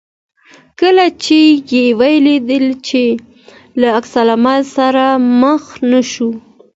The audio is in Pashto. کله چې یې ولیدل چې له عکس العمل سره مخ نه شو.